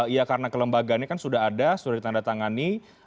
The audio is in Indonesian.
ya karena kelembagaannya kan sudah ada sudah ditandatangani